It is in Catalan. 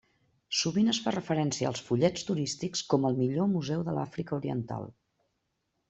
Sovint es fa referència als fullets turístics com el millor museu de l'Àfrica Oriental.